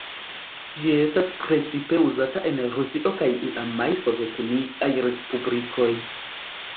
Ĝi estas precipe uzata en Rusio kaj iamaj Sovetuniaj Respublikoj.